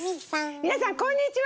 皆さんこんにちは！